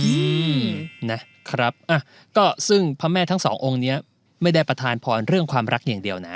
อืมนะครับอ่ะก็ซึ่งพระแม่ทั้งสององค์เนี้ยไม่ได้ประธานพรเรื่องความรักอย่างเดียวนะ